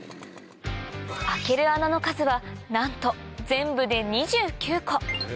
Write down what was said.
開ける穴の数はなんと全部で２９個